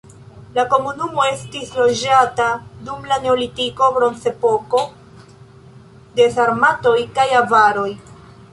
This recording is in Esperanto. La komunumo estis loĝata dum la neolitiko, bronzepoko, de sarmatoj kaj avaroj.